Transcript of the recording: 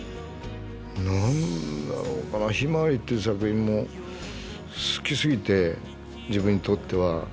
何だろうか「ひまわり」という作品も好きすぎて自分にとっては。